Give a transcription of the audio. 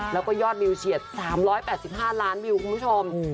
แล้วก็ยอดวิวเฉียด๓๘๕ล้านวิวคุณผู้ชม